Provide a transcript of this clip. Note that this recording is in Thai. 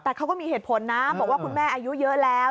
แต่เขาก็มีเหตุผลนะบอกว่าคุณแม่อายุเยอะแล้ว